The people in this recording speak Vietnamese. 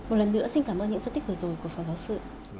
một lần nữa xin cảm ơn những phân tích vừa rồi của phó giáo sư